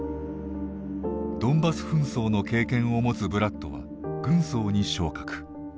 ドンバス紛争の経験を持つブラッドは軍曹に昇格。